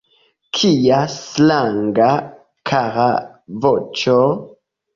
Kia stranga, kara voĉo!